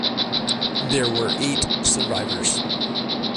There were eight survivors.